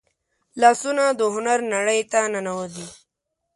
لاسونه د هنر نړۍ ته ننوځي